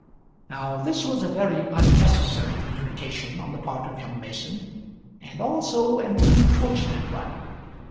Now this was a very unnecessary communication on the part of young Mason, and also an unfortunate one.